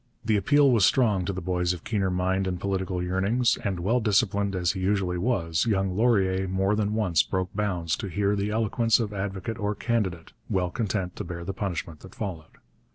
The appeal was strong to the boys of keener mind and political yearnings; and well disciplined as he usually was, young Laurier more than once broke bounds to hear the eloquence of advocate or candidate, well content to bear the punishment that followed.